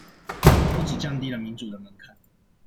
不只降低了民主的門檻